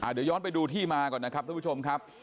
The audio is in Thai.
เดี๋ยวย้อนไปดูที่มาก่อนนะครับทุกผู้ชมครับ